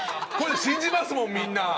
これ信じますもん、みんな。